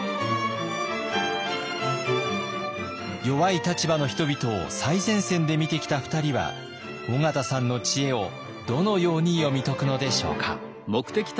弱い立場の人々を最前線で見てきた２人は緒方さんの知恵をどのように読み解くのでしょうか。